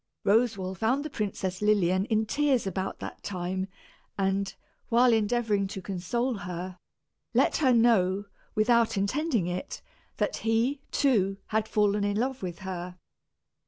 Roswal found the Princess Lilian in tears about that time and, while endeavoring to console her, let her know, without intending it, that he, too, had fallen in love with her.